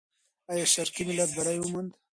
آیا شرقي ملت بری وموند؟